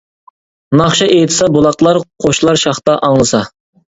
ناخشا ئېيتسا بۇلاقلار، قۇشلار شاختا ئاڭلىسا.